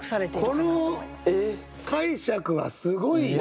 この解釈はすごいよ。